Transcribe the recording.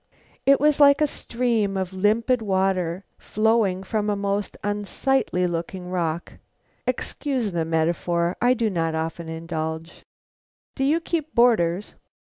It was like a stream of limpid water flowing from a most unsightly looking rock. Excuse the metaphor; I do not often indulge. "Do you keep boarders?"